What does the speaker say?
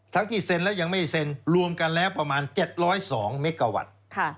ที่เซ็นและยังไม่ได้เซ็นรวมกันแล้วประมาณ๗๐๒เมกาวัตต์